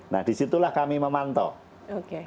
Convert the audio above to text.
nah disitulah kami memantau